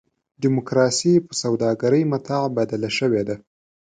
ډیموکراسي په سوداګرۍ متاع بدله شوې ده.